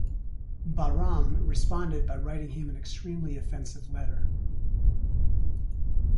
Bahram responded by writing him an extremely offensive letter.